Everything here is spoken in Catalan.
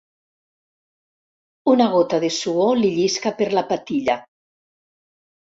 Una gota de suor li llisca per la patilla.